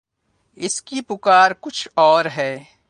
اس کی پکار کچھ اور ہے۔